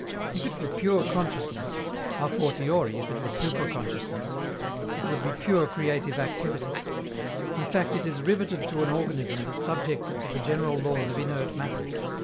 If it were pure consciousness, a fortiori if it were supra consciousness, it would be pure creative activity. In fact, it is riveted to an organism that subjects it to the general laws of inert matter.